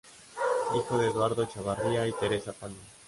Hijo de Eduardo Chavarría y Teresa Palma.